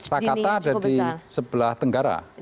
rakata ada di sebelah tenggara